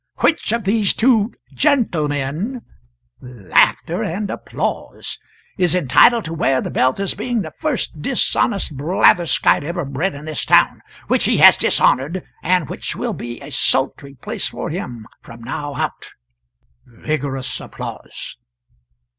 "] which of these two gentlemen [laughter and applause] is entitled to wear the belt as being the first dishonest blatherskite ever bred in this town which he has dishonoured, and which will be a sultry place for him from now out!" [Vigorous applause.